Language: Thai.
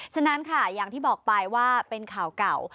ฉะนั้นค่ะอย่างที่บอกไปว่าเป็นข่าวเก่า